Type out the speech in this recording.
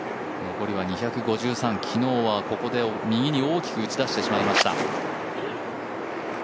残りは２５３、昨日はここで右に大きく打ち出してしまいました。